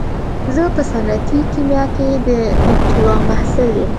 زه په صنعتي کيميا کې د دوکتورا محصل يم.